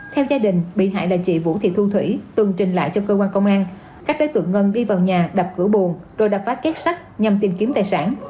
theo gia đình bị hại là chị vũ thị thu thủy tuần trình lại cho cơ quan công an các đối tượng ngân đi vào nhà đập cửa buồn rồi đập phát két sắt nhằm tìm kiếm tài sản